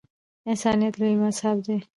انسانیت لوی مذهب دی